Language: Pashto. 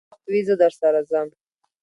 که وخت وي، زه درسره ځم.